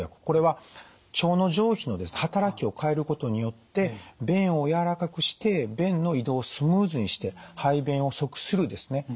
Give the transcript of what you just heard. これは腸の上皮の働きを変えることによって便を軟らかくして便の移動をスムーズにして排便をそくするですね